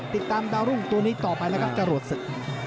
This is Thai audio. ติดตามดาวรุ่งตัวนี้ต่อไปนะครับจรวดศึก